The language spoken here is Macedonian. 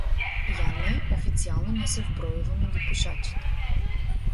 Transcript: Јања официјално не се вбројува меѓу пушачите.